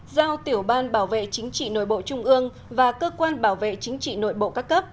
giao tiểu ban bảo vệ chính trị nội bộ trung ương và cơ quan bảo vệ chính trị nội bộ các cấp